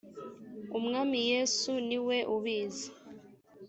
umwami yesu niwe ubizi.